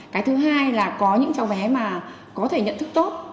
cái thứ hai là có những cháu bé mà có thể nhận thức tốt